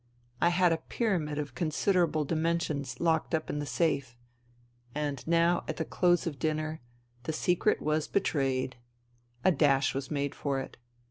I had a pyramid of considerable dimensions locked up in the safe. ... And now, at the close of dinner, the secret was betrayed. A dash was made for it.